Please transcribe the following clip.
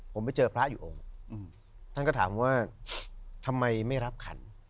ผมไปเจอพระอยู่องค์ท่านก็ถามว่าทำไมไม่รับขัน